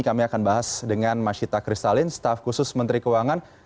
kami akan bahas dengan mas syita kristalin staf khusus menteri keuangan